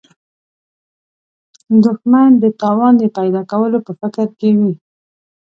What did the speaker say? دښمن د تاوان د پیدا کولو په فکر کې وي